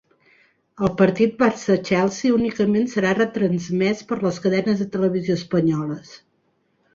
El partit Barça – Chelsea únicament serà retransmès per les cadenes de televisió espanyoles